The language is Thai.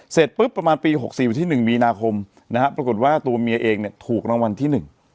เสร็จปุ๊บประมาณปีหกสี่วันที่หนึ่งมีนาคมนะฮะปรากฏว่าตัวเมียเองเนี่ยถูกรางวัลที่หนึ่ง